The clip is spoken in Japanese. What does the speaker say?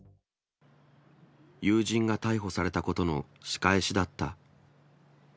友人が逮捕されたことの仕返しだった。